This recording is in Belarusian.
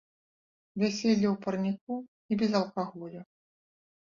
Вяселле ў парніку і без алкаголю.